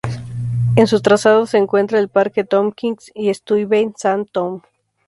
En su trazado se encuentra el Parque Tompkins y Stuyvesant Town.